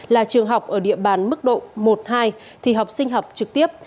là trường học ở địa bàn mức độ một hai thì học sinh học trực tiếp